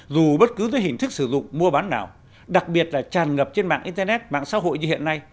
dù bất cứ dưới hình thức sử dụng mua bán nào đặc biệt là tràn ngập trên mạng internet mạng xã hội như hiện nay